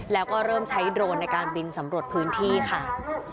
แล้วก็เริ่มใช้โดรนในการบินสำรวจพื้นที่ค่ะ